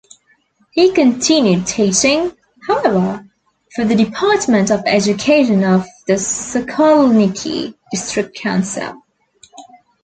He continued teaching, however, for the Department of Education of the Sokolniki District Council.